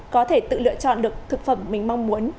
có thể tự lựa chọn được thực phẩm mình mong muốn